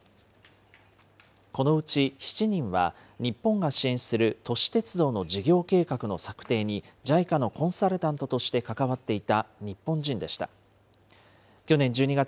このうち７人は、日本が支援する都市鉄道の事業計画の策定にＪＩＣＡのコンサルタントとして関わっていた日本人でした。